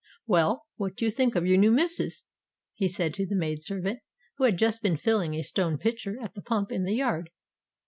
"Well, what do you think of your new missus?" he said to the maid servant, who had just been filling a stone pitcher at the pump in the yard.